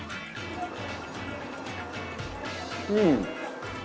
うん。